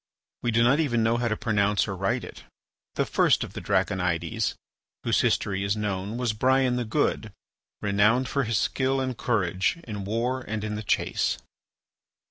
We do not even know how to pronounce or write it. The first of the Draconides whose history is known was Brian the Good, renowned for his skill and courage in war and in the chase.